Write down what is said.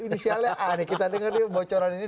inisialnya a kita dengar bocoran ini